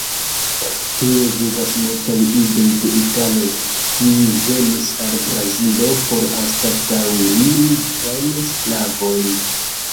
Tie vivas multaj idoj de italoj, kiuj venis al Brazilo por anstataŭi nigrajn sklavojn.